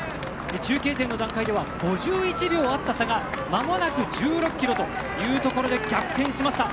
中継点の段階では５１秒あった差がまもなく１６ｋｍというところで逆転しました。